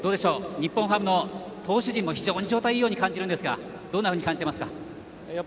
日本ハムの投手陣も非常に状態がいいように感じますがどんなふうに感じていますか？